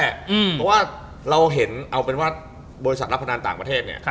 เพราะว่าเราเห็นเอาเป็นว่าบริษัทรับพนันต่างประเทศเนี่ย